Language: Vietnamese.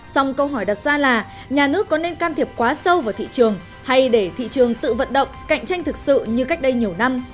song câu hỏi đặt ra là nhà nước có nên can thiệp quá sâu vào thị trường hay để thị trường tự vận động cạnh tranh thực sự như cách đây nhiều năm